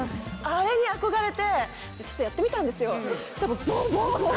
あれに憧れてちょっとやってみたんですよ。